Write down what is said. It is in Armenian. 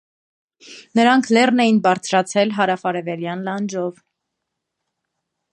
Նրանք լեռն էին բարձրացել հարավարևելյան լանջով։